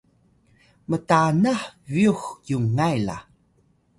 mtanah byux yungay la